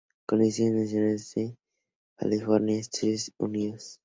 Con estudios adicionales en Seattle, Washington y Hollywood, California, Estados Unidos.